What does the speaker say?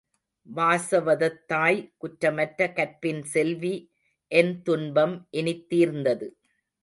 வாசவதத்தாய், குற்றமற்ற கற்பின் செல்வி என் துன்பம் இனித் தீர்ந்தது.